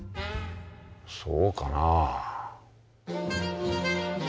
そうかな。